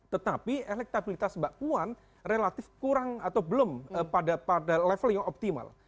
tetapi elektabilitas mbak puan relatif kurang atau belum pada level yang optimal